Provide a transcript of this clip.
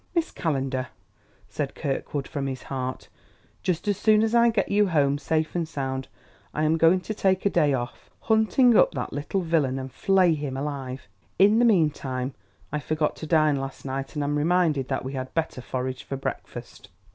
"Miss Calendar," said Kirkwood from his heart, "just as soon as I get you home, safe and sound, I am going to take a day off, hunt up that little villain, and flay him alive. In the meantime, I forgot to dine last night, and am reminded that we had better forage for breakfast."